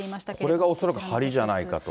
これが恐らくはりじゃないかと。